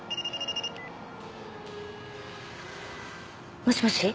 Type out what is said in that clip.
もしもし？